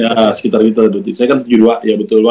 ya sekitar itu saya kan tujuh dua ya betul pak